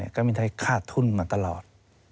การบินไทยคาดทุนมาตลอด